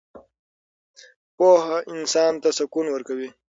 پوهه انسان ته سکون ورکوي.